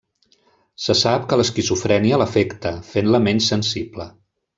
Se sap que l'esquizofrènia l'afecta, fent-la menys sensible.